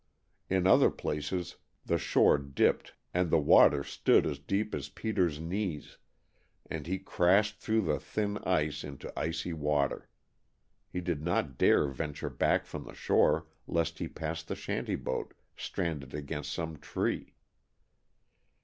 In other places the shore dipped and the water stood as deep as Peter's knees, and he crashed through the thin ice into icy water. He did not dare venture back from the shore lest he pass the shanty boat, stranded against some tree.